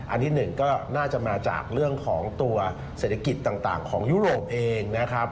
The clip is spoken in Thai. อันที่หนึ่งก็น่าจะมาจากเรื่องของตัวเศรษฐกิจต่างของยุโรปเองนะครับ